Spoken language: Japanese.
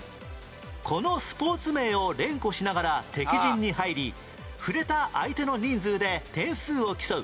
このスポーツ名を連呼しながら敵陣に入り触れた相手の人数で点数を競う